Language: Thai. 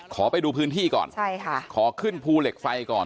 ขอไปดูพื้นที่ก่อนใช่ค่ะขอขึ้นภูเหล็กไฟก่อน